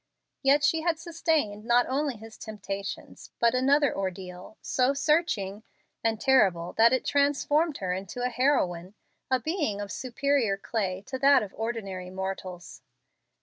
Yet she had sustained not only his temptations, but another ordeal, so searching and terrible that it transformed her into a heroine, a being of superior clay to that of ordinary mortals.